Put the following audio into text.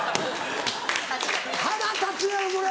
腹立つやろそれ！